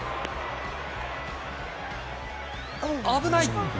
危ない！